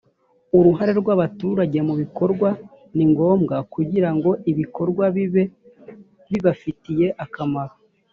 uruhare rw abaturage mu bibakorerwa ni ngombwa kugira ngo ibikorwa bibe bibafitiye akamaro